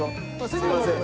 すいません。